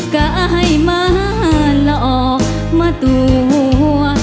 กะไฮมาหลอกมาตัว